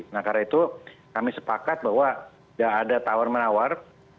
nah karena itu kami sepakat bahwa tidak ada tawar menawar